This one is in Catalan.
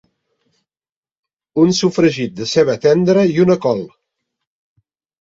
Un sofregit de ceba tendra i una col.